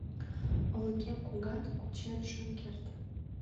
Олыкем кугат — кучен шым керт.